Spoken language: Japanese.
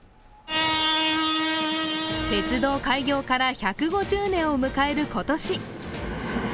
鉄道開業から１５０年を迎える今年。